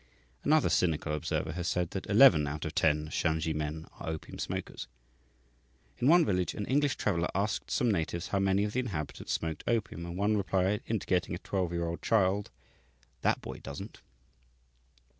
Another cynical observer has said that "eleven out of ten Shansi men are opium smokers." In one village an English traveller asked some natives how many of the inhabitants smoked opium, and one replied, indicating a twelve year old child, "That boy doesn't."